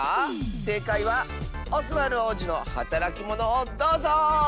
せいかいは「オスワルおうじのはたらきモノ」をどうぞ！